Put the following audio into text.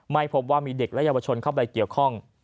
ไม่พบว่ามีเด็กและเยาวชนเข้าไปเกี่ยวข้อง